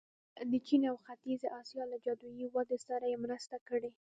د چین او ختیځې اسیا له جادويي ودې سره یې مرسته کړې.